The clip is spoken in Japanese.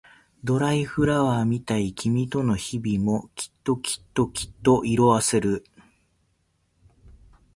ドライフラワーみたい君との日々もきっときっときっと色あせる